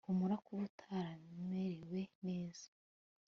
humura kuba utamerewe neza